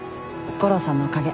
悟郎さんのおかげ。